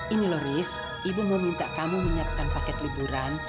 ini loh riz ibu mau minta kamu menyiapkan paket liburan